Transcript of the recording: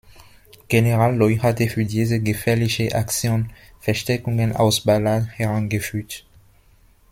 General Loi hatte für diese gefährliche Aktion Verstärkungen aus Balad herangeführt.